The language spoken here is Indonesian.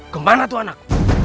kemana tuh anak